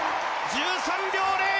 １３秒０４！